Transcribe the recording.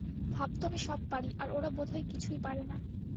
ভাবত আমি সব পারি, আর ওরা বোধ হয় কিছুই পারে না।